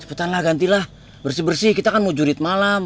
sebentar lah gantilah bersih bersih kita kan mau jurid malam